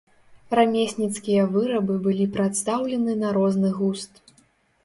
Рамесніцкія вырабы былі прадстаўлены на розны густ.